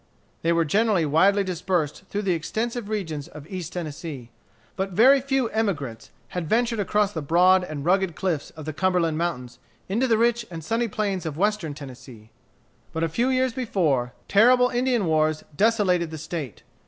They were generally widely dispersed through the extensive regions of East Tennessee. But very few emigrants had ventured across the broad and rugged cliffs of the Cumberland Mountains into the rich and sunny plains of Western Tennessee. But a few years before, terrible Indian wars desolated the State.